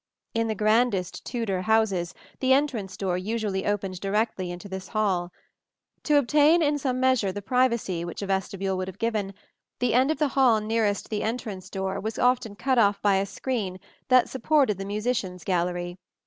In the grandest Tudor houses the entrance door usually opened directly into this hall. To obtain in some measure the privacy which a vestibule would have given, the end of the hall nearest the entrance door was often cut off by a screen that supported the musicians' gallery.